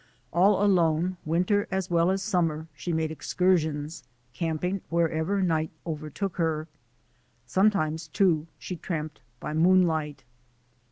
All alone, winter as well as sum mer, she made excursions, camping wherever night overtook her. Sometimes, too, she tramped by moonlight.